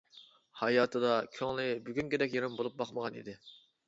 ھاياتىدا كۆڭلى بۈگۈنكىدەك يېرىم بولۇپ باقمىغان ئىدى.